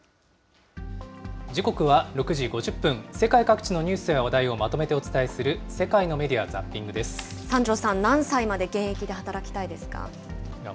時刻は６時５０分、世界各地のニュースや話題をまとめてお伝えする世界のメディア・三條さん、何歳まで現役で働いや